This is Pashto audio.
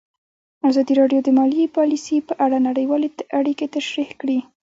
ازادي راډیو د مالي پالیسي په اړه نړیوالې اړیکې تشریح کړي.